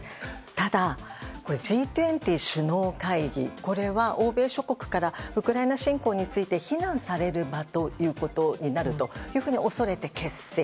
ただ、Ｇ２０首脳会議これは欧米諸国からウクライナ侵攻について非難される場となると恐れて欠席。